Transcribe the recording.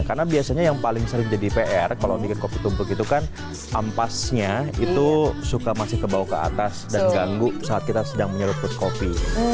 karena biasanya yang paling sering jadi pr kalau bikin kopi tubruk itu kan ampasnya itu suka masih kebawah ke atas dan ganggu saat kita sedang menyeduh kopi